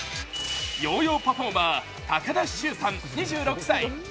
ヨーヨーパフォーマー高田柊さん、２６歳。